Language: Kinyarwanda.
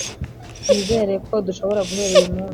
nizere ko dushobora guhera uyu munsi